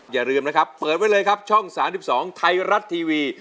อย่าลืมนะครับเปิดไว้เลยครับช่อง๓๒ไทยรัฐทีวี